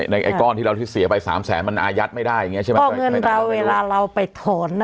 ในก้อนที่เราเสียไปสามแสนมันอายัดไม่ได้เพราะเงินเราเวลาเราไปถอนนะ